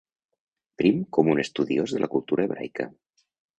Prim com un estudiós de la cultura hebraica.